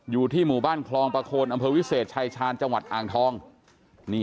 อยู่ที่หมู่บ้านคลองประโคนอำเภอวิเศษชายชาญจังหวัดอ่างทองนี่